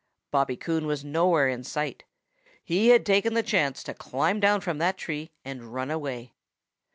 Bobby Coon was nowhere in sight. He had taken the chance to climb down from that tree and run away.